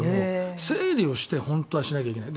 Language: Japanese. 整理をして本当はしなきゃいけない。